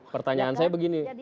pertanyaan saya begini